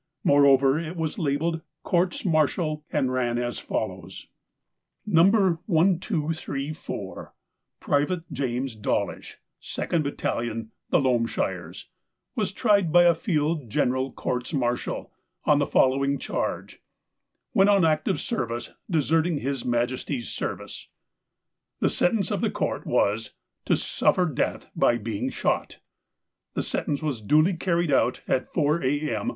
Moreover, it was labelled Courts Martial, and ran as follows : 136 THE COWARD No. 1234, Private James Dawlish, 2nd Battalion, The Loamshires, was tried by a Field General Courts Martial on the following charge :" When on active service deserting His Majesty's Service." The sentence of the Court was " To suffer death by being shot." The sentence was duly carried out at 4 a.m.